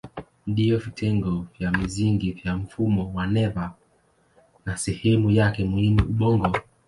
Ndiyo vitengo vya msingi vya mfumo wa neva na sehemu yake muhimu ni ubongo.